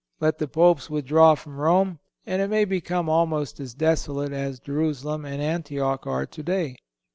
Let the Popes withdraw from Rome, and it may become almost as desolate as Jerusalem and Antioch are today.